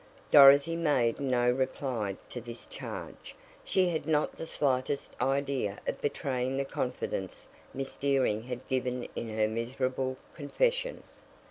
Dorothy made no reply to this charge she had not the slightest idea of betraying the confidence Miss Dearing had given in her miserable confession.